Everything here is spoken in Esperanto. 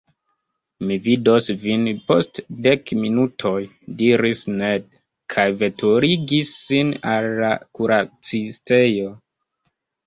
Mi vidos vin post dek minutoj diris Ned, kaj veturigis sin al la kuracistejo.